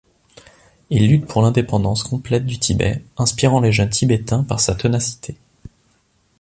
Il lutte pour l'indépendance complète du Tibet, inspirant les jeunes tibétains par sa ténacité.